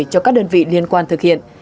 cho các đơn vị liên quan thực hiện